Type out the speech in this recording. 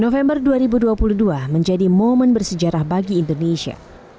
november dua ribu dua puluh dua menjadi momen bersejarah bagi indonesia